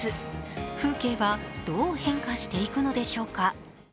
風景はどう変化していくのでしょうか。